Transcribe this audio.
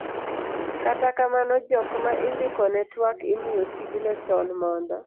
kata kamano, jok ma indikone twak imiyo tijno chon mondo